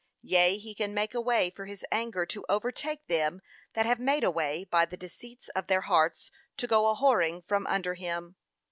Yea, he can make a way for his anger to overtake them that have made a way, by the deceits of their hearts, to go a whoring from under him.